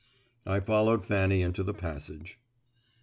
I followed Fanny into the passage.